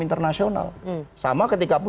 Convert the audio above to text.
internasional sama ketika